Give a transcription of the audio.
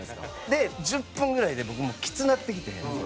で１０分ぐらいで僕もうきつなってきて。